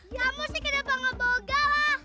ya kamu sih kenapa nggak bogele